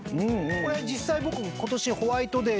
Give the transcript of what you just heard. これ実際僕。